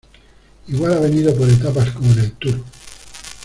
igual ha venido por etapas, como en el tour.